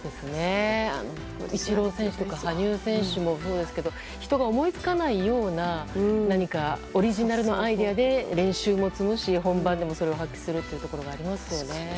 イチロー選手とか羽生選手もそうですけど人が思いつかないような何か、オリジナルのアイデアで練習も積むし、本番でもそれを発揮するというのがありますね。